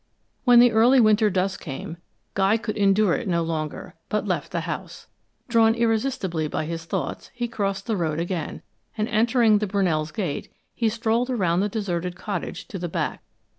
When the early winter dusk came, Guy could endure it no longer, but left the house. Drawn irresistibly by his thoughts, he crossed the road again, and entering the Brunells' gate, he strolled around the deserted cottage, to the back.